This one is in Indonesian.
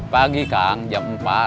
pagi kang jam empat